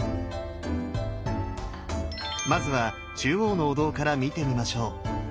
まずは中央のお堂から見てみましょう。